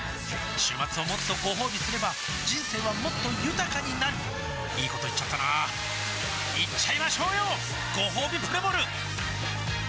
週末をもっとごほうびすれば人生はもっと豊かになるいいこと言っちゃったなーいっちゃいましょうよごほうびプレモル